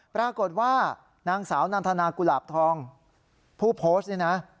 ปรากฏว่านางสาวนันทนากุหลาบทองผู้โพสต์นี่นะ